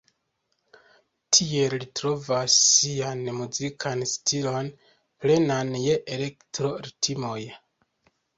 Tiel, li trovas sian muzikan stilon plenan je elektro-ritmoj.